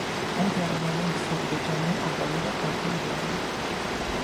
او دربارهی سقط جنین عقاید قاطعی دارد.